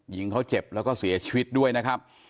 ยิงเขาเจ็บแล้วก็เสียชีวิตด้วยนะครับ